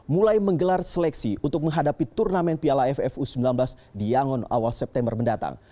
mulai menggelar seleksi untuk menghadapi turnamen piala ffu sembilan belas di yangon awal september mendatang